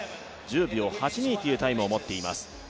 １０秒８２というタイムで持っています。